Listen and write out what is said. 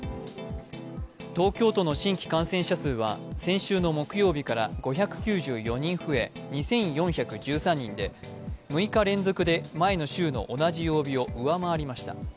東京都の新規感染者数は先週の木曜日から５９４人増え２４１３人で、６日連続で前の週の同じ曜日を上回りました。